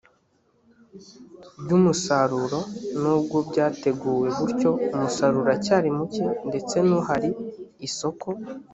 ry umusaruro nubwo byateguwe gutyo umusaruro uracyari muke ndetse n uhari isoko